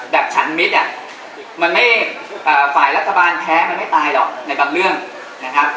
ฉันมิตรอ่ะมันไม่ฝ่ายรัฐบาลแพ้มันไม่ตายหรอกในบางเรื่องนะครับ